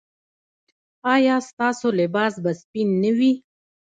ایا ستاسو لباس به سپین نه وي؟